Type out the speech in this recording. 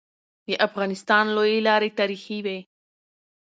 د افغانستان لويي لاري تاریخي وي.